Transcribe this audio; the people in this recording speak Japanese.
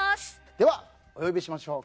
では、お呼びしましょう。